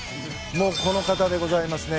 この方でございます。